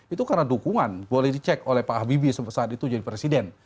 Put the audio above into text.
itu karena dukungan boleh dicek oleh pak habibie saat itu jadi presiden